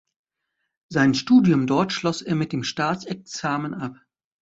Sein Studium dort schloss er mit dem Staatsexamen ab.